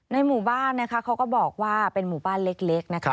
หมู่บ้านนะคะเขาก็บอกว่าเป็นหมู่บ้านเล็กนะคะ